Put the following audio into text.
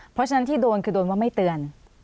เพราะฉะนั้นที่โดนคือโดนว่าไม่เตือน